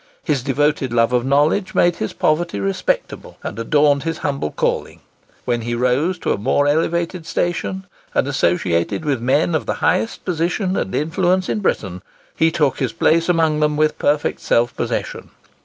His devoted love of knowledge made his poverty respectable, and adorned his humble calling. When he rose to a more elevated station, and associated with men of the highest position and influence in Britain, he took his place amongst them with perfect self possession.